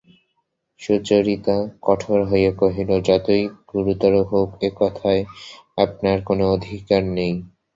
সুচরিতা কঠোর হইয়া কহিল, যতই গুরুতর হোক এ কথায় আপনার কোনো অধিকার নেই।